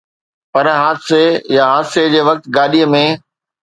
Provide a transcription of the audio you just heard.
پر حادثي يا حادثي جي وقت گاڏي ۾